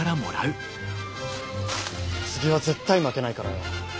次は絶対負けないからよ。